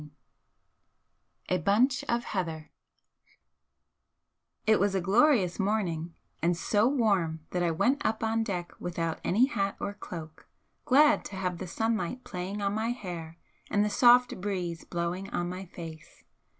IV A BUNCH OF HEATHER It was a glorious morning, and so warm that I went up on deck without any hat or cloak, glad to have the sunlight playing on my hair and the soft breeze blowing on my face.